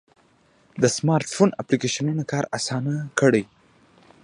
د سمارټ فون اپلیکیشنونه کار آسانه کوي.